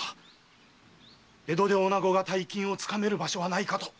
江戸でおなごが大金を掴める場所はないかと！